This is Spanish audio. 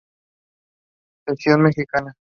Cesión Mexicana.